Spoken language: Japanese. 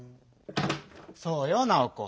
そうよナオコ。